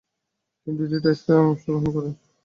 তিনি দুইটি টেস্টে অংশগ্রহণ করেন।